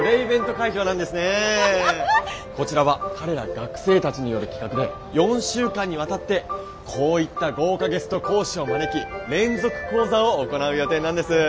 こちらは彼ら学生たちによる企画で４週間にわたってこういった豪華ゲスト講師を招き連続講座を行う予定なんです。